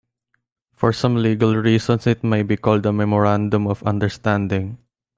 For some legal reasons it may be called a Memorandum of Understanding.